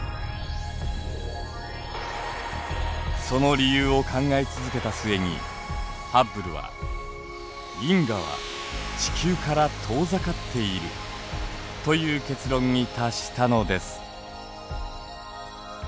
その理由を考え続けた末にハッブルは「銀河は地球から遠ざかっている」という結論に達したのです。